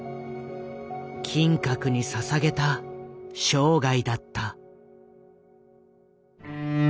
金閣にささげた生涯だった。